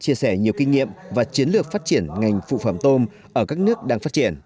các đại biểu cũng có nhiều kinh nghiệm và chiến lược phát triển ngành phụ phẩm tôm ở các nước đang phát triển